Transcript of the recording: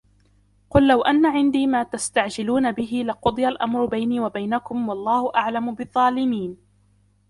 قُلْ لَوْ أَنَّ عِنْدِي مَا تَسْتَعْجِلُونَ بِهِ لَقُضِيَ الْأَمْرُ بَيْنِي وَبَيْنَكُمْ وَاللَّهُ أَعْلَمُ بِالظَّالِمِينَ